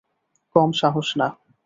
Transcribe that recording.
কম সাহস না।